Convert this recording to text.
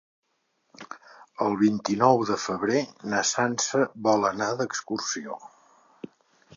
El vint-i-nou de febrer na Sança vol anar d'excursió.